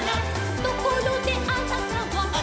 「ところであなたは」